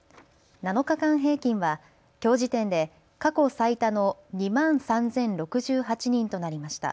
７日間平均はきょう時点で過去最多の２万３０６８人となりました。